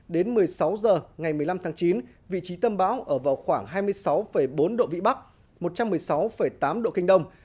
đến một mươi sáu h ngày một mươi năm tháng chín vị trí tâm bão ở vào khoảng hai mươi sáu bốn độ vĩ bắc một trăm một mươi sáu tám độ kinh đông